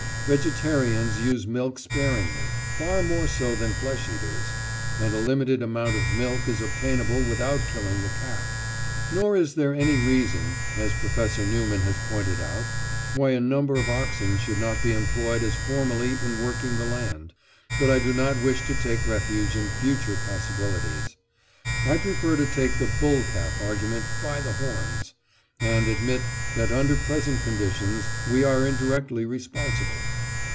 Vegetarians use milk sparingly—far more so than flesh eaters—and a limited amount of milk is obtainable without killing the calf. Nor is there any reason, as Professor Newman has pointed out, why a number of oxen should not be employed as formerly in working the land. But I do not wish to take refuge in future possibilities. I prefer to take the bull calf argument "by the horns," and admit that, under present conditions, we are indirectly responsible.